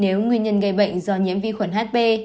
nếu nguyên nhân gây bệnh do nhiễm vi khuẩn hp